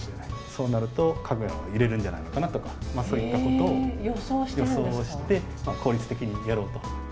そうなるとＫＡＧＲＡは揺れるんじゃないのかなとかそういったことを予想して効率的にやろうと。